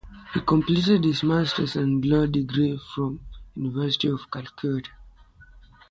He completed his masters and law degree from University of Calcutta.